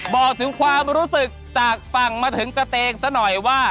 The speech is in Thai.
บอกถึงความรู้สึกจากฝั่งมาถึงกระเตงซะหน่อยว่า